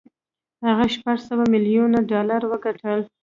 هغه شپږ سوه ميليون يې ډالر وګټل.